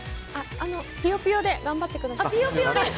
ピヨピヨで頑張ってください。